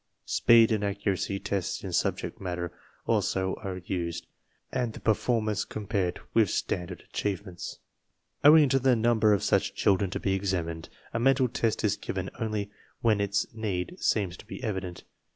Speed and accuracy tests in INSTRUCTION IN ADJUSTMENT ROOMS 63 subject matter also are used and the perf ormance com pared with standard achievements. Owing to the num ber of such children to be examined, a mental test is given only when its need seems to be evident.